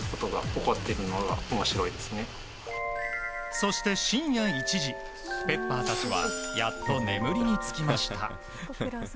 そして深夜１時Ｐｅｐｐｅｒたちはやっと眠りにつきました。